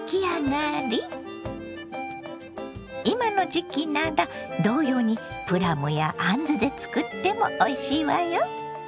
今の時期なら同様にプラムやあんずで作ってもおいしいわよ。